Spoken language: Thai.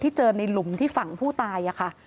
เจอในหลุมที่ฝั่งผู้ตายค่ะ